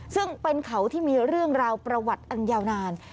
ซึ่งเป็นเขาที่มีเรื่องราวประวัติอันยาวนาน